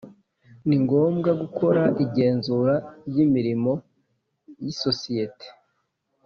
ni ngombwa gukora igenzura ry imirimo y isosiyete